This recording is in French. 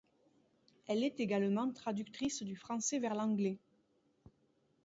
Elle est également traductrice du français vers l’anglais.